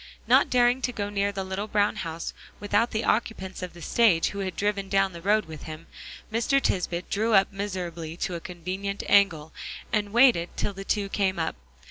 Not daring to go near the little brown house without the occupants of the stage who had driven down the road with him, Mr. Tisbett drew up miserably to a convenient angle, and waited till the two came up.